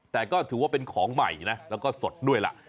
แต่ก็ถือว่าเป็นของใหม่นะแล้วก็สดด้วยล่ะ